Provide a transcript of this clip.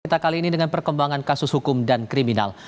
kita kali ini dengan perkembangan kasus hukum dan kriminal